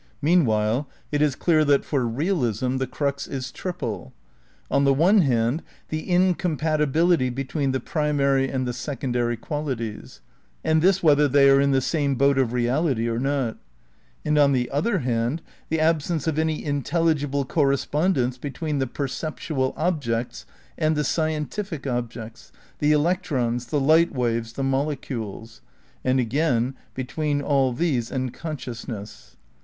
^ Meanwhile it is clear that for realism the crux is triple. On the one hand the incompatibility between the primary and the secondary qualities, and this whether they are in the same boat of reality or not; and on the other hand the absence of any intelligible correspondence between the perceptual objects and the scientific objects, the electrons, the light waves, the molecules ; and again, between all these and conscious ness.